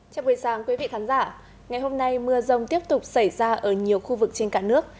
chào quý vị thán giả ngày hôm nay mưa rông tiếp tục xảy ra ở nhiều khu vực trên cả nước